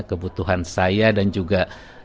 kebutuhan saya dan juga